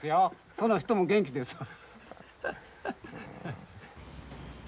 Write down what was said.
その人も元気ですわ。